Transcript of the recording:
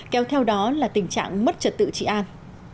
kéo theo đó là tình trạng mất trật tự trị an